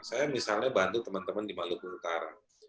saya misalnya bantu teman teman di maluku utara